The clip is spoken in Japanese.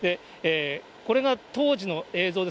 これが当時の映像です。